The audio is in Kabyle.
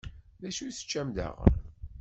D acu teččam daɣen?